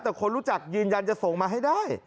แต่คนรู้จักยืนยันจะส่งมาให้ได้